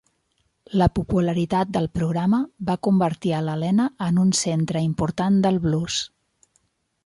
La popularitat del programa va convertir a l'Helena en un centre important del blues.